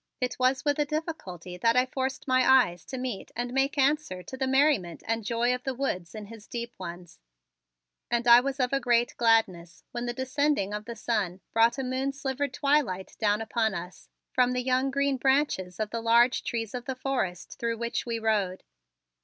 It was with a difficulty that I forced my eyes to meet and make answer to the merriment and joy of the woods in his deep ones; and I was of a great gladness when the descending of the sun brought a moon silvered twilight down upon us from the young green branches of the large trees of the forest through which we rode.